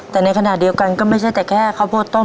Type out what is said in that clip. แต่ในขณะเดียวกันก็ไม่ใช่แต่แค่ข้าวโพดต้ม